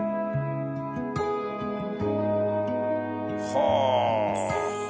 はあ。